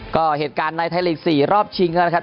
ก็เหตุการณ์ในไทรกล์๔รอบชิงครับ